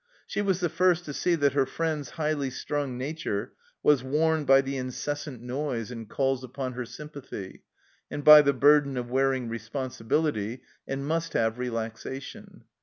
She was the first to see that her friend's highly strung nature was worn by the incessant noise and calls upon her sympathy, and by the burden of wearing responsibility, and must have relaxation.